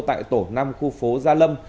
tại tổ năm khu phố gia lâm